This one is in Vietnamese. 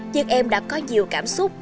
nhưng em đã có nhiều cảm xúc